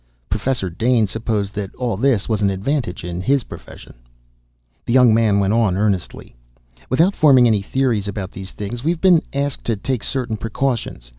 Professor Dane supposed that all this was an advantage in his profession. The young man went on earnestly. "Without forming any theories about these things we've been asked to take certain precautions.